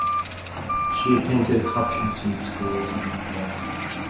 She attended Hutchison School as a young girl.